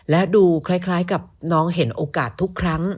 และดูคล้ายกับน้องเห็นโอกาสทุกครั้ง